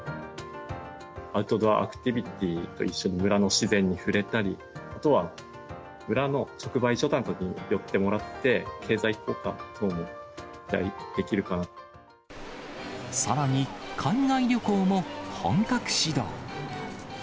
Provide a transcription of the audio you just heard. アウトドアアクティビティーと一緒に、村の自然に触れたり、あとは村の直売所などに寄ってもらって、さらに、海外旅行も本格始動。